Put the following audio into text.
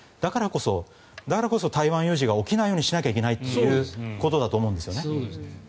だからこそ台湾有事が起きないようにしなきゃいけないということだと思うんですね。